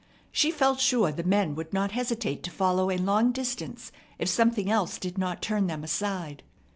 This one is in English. She felt sure the men would not hesitate to follow a long distance if something else did not turn them aside.